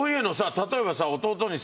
例えばさ弟にさ